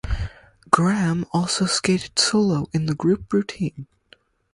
Graham also skated solo in the group routine.